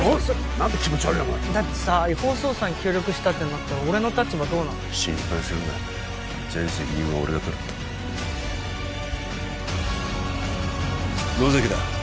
何だ気持ち悪いなお前だってさ違法捜査に協力したってなったら俺の立場どうなんの？心配するな全責任は俺が取る野崎だ